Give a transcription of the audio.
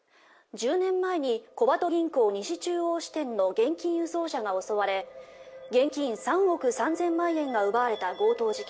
「１０年前に小鳩銀行西中央支店の現金輸送車が襲われ現金３億３０００万円が奪われた強盗事件